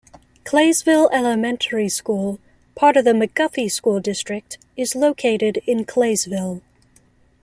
Claysville Elementary School, part of the McGuffey School District is located in Claysville.